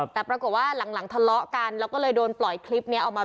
แต่ปรากฏว่าหลังทะเลาะกันแล้วก็เลยโดนปล่อยคลิปนี้ออกมา